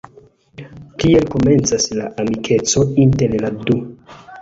Tiel komencas la amikeco inter la du.